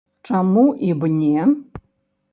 Чаму і б не?